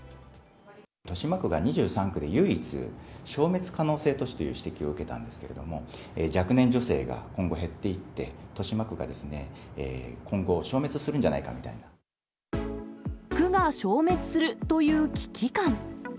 豊島区が２３区で唯一、消滅可能性都市という指摘を受けたんですけれども、若年女性が今後減っていって、豊島区が今後消滅するんじゃない区が消滅するという危機感。